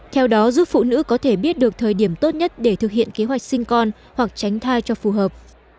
theo đó giúp phụ nữ có thể biết được thời điểm tốt nhất để thực hiện kế hoạch sinh con hoặc tránh thai cho phù hợp